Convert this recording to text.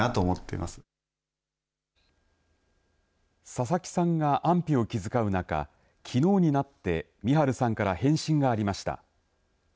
佐々木さんが安否を気遣う中昨日になってミハルさんから返信がありました。